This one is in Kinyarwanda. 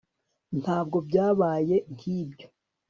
ntabwo byabaye nkibyo